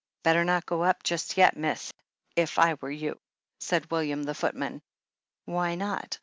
^'Better not go up just yet, miss, if I were you," said William, the footman. "Why not?"